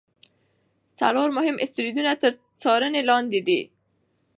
څلور مهم اسټروېډونه تر څارنې لاندې دي.